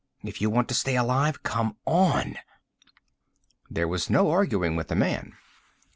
If you want to stay alive, come on!" There was no arguing with the man.